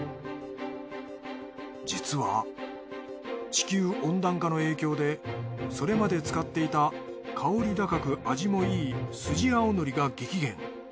地球温暖化の影響でそれまで使っていた香り高く味もいいスジアオノリが激減。